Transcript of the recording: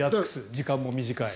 時間も短い。